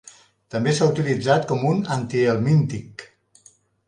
També s'ha utilitzat com un antihelmíntic.